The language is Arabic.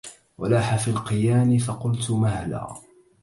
ولاح في القيان فقلت مهلا